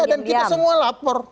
iya dan kita semua lapor